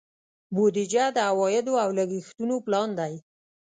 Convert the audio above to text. بودیجه د عوایدو او لګښتونو پلان دی.